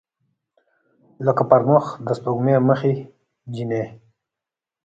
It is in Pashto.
لکه پر مخ د سپوږمۍ مخې جینۍ